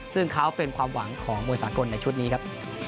ซึ่งเขาเป็นความหวังของมวยสากลในชุดนี้ครับ